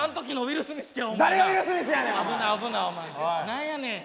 何やねん。